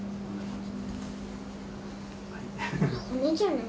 骨じゃない？